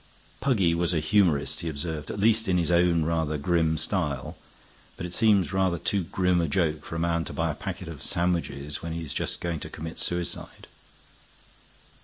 "Puggy was a humorist," he observed, "at least in his own rather grim style. But it seems rather too grim a joke for a man to buy a packet of sandwiches when he is just going to commit suicide."